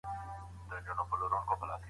دولت به په هوایي ډګرونو کي پانګونه وکړي.